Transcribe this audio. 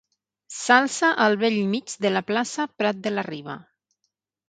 S'alça al bell mig de la plaça Prat de la Riba.